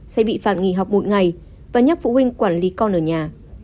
sẽ bị phạt nghỉ học một ngày và nhắc phụ huynh quản lý con ở nhà